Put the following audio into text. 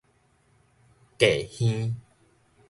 扴耳